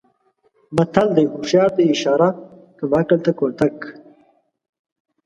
متل دی: هوښیار ته اشاره کم عقل ته کوتک.